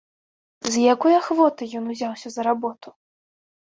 З якой ахвотай ён узяўся за работу!